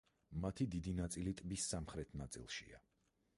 მათი დიდი ნაწილი ტბის სამხრეთ ნაწილშია.